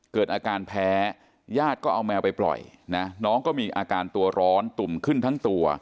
เกิดอาการแพ้ญาติก็เอาแมวไปปล่อยนะน้องก็มีอาการตัวร้อนตุ่มขึ้นทั้งตัว